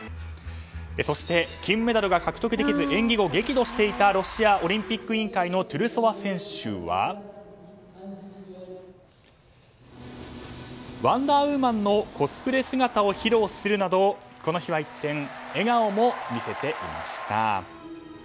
そして金メダル獲得できず演技後、激怒していたロシアオリンピック委員会のトゥルソワ選手はワンダーウーマンのコスプレ姿を披露するなどこの日は一転笑顔も見せていました。